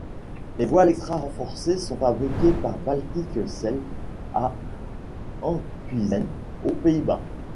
Les voiles extra-renforcées sont fabriquées par Baltic Sail à Enkhuizen aux Pays-Bas.